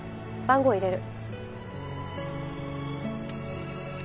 番号入れる。